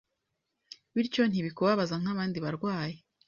Bityo ntibikubabaza nkabandi barwayi